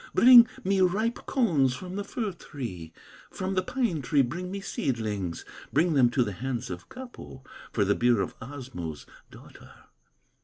Bring me ripe cones from the fir tree, From the pine tree bring me seedlings, Bring them to the hands of Kapo, For the beer of Osmo's daughter.